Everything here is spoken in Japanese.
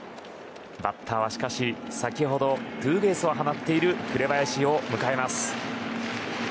バッターは、しかし先ほどツーベースを放っている紅林。